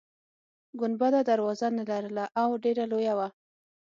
ګنبده دروازه نلرله او ډیره لویه وه.